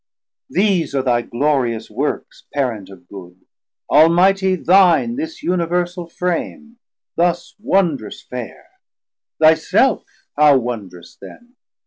These are thy glorious works, Parent of good, Almightie, thine this universal Frame, Thus wondrous fair; thy self how wondrous then!